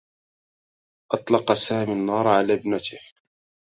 أطلق سامي النّار على إبنته.